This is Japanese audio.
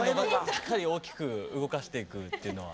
しっかり大きく動かしていくっていうのは。